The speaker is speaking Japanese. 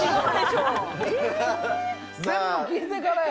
全部聞いてからや。